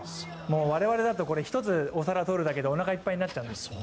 我々だとこれ１つお皿取るだけでおなかいっぱいになっちゃう。